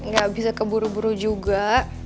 gak bisa keburu buru juga